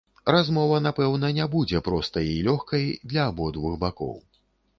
Размова напэўна не будзе простай і лёгкай для абодвух бакоў.